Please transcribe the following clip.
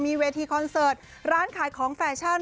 มีเวทีคอนเสิร์ตร้านขายของแฟชั่น